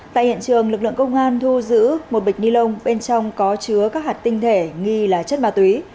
tại hiện trường lực lượng công an thu giữ một bịch ni lông bên trong có chứa các hạt tinh thể nghi là chất ma túy